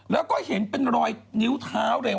แล้วก็เห็นเป็นรอยนิ้วเท้าเร็ว